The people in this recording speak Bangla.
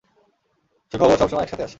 সুখবর সবসময় একসাথেই আসে!